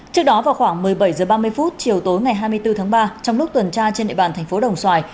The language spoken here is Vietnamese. trước đó vào khoảng một mươi bảy h ba mươi chiều tối ngày hai mươi bốn tháng ba trong lúc tuần tra trên địa bàn thành phố đồng xoài